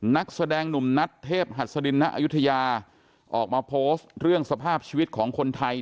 นักแสดงหนุ่มนัทเทพหัสดินณอายุทยาออกมาโพสต์เรื่องสภาพชีวิตของคนไทย